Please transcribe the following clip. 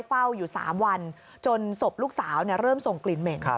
เฝ้าอยู่๓วันจนศพลูกสาวเริ่มส่งกลิ่นเหม็น